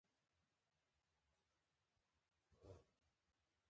په مینه او اخلاص مې کتابونه ووېشل.